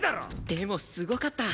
でもすごかった！